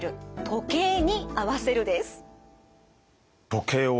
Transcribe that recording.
時計「を」